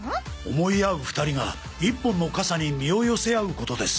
思い合う２人が一本のカサに身を寄せ合うことです